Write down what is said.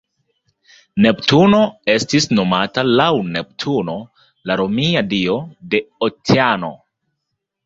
Neptuno estis nomata laŭ Neptuno, la romia dio de oceano.